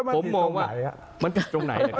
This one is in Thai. ผมมองว่ามันผิดตรงไหนนะครับ